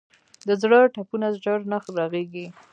د زړه ټپونه ژر نه رغېږي.